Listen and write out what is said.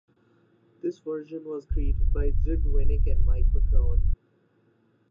This version was created by Judd Winick and Mike McKone.